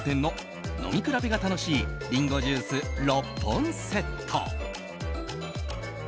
飲み比べが楽しいりんごジュース６本セット。